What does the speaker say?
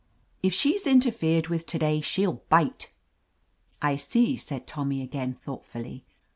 If she's interfered with to day, shell bite." "I see," said Tommy again thoughtfully.